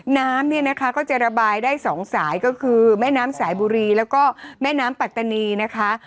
น้ำเนี่ยนะคะก็จะระบายได้สองสายก็คือแม่น้ำสายบุรีแล้วก็แม่น้ำปัตตานีนะคะ